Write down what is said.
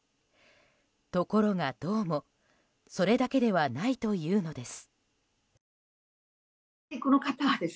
ところが、どうもそれだけではないというのです。